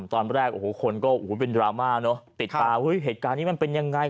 ตอนแรกโอ้โหคนก็เป็นดราม่าเนอะติดตามเหตุการณ์นี้มันเป็นยังไง